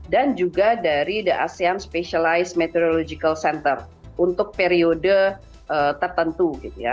dan juga dari the asean specialized meteorological center untuk periode tertentu